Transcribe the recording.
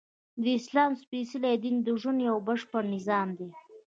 د اسلام سپیڅلی دین د ژوند یؤ بشپړ نظام دی!